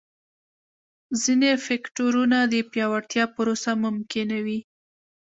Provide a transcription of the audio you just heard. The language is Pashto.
ځیني فکټورونه د پیاوړتیا پروسه ممکنوي.